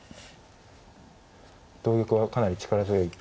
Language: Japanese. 同玉はかなり力強い一手。